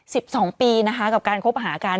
สิบสองปีนะคะกับการคบหากัน